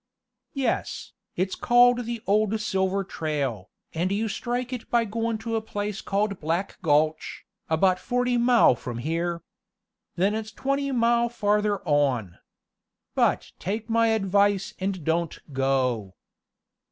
"Yes, it's called the old silver trail, and you strike it by goin' to a place called Black Gulch, about forty mile from here. Then it's twenty mile farther on. But take my advice and don't go."